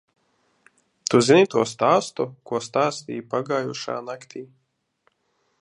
Tu zini to stāstu, ko stāstīji pagājušajā naktī?